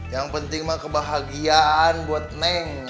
yang penting mah kebahagiaan buat neng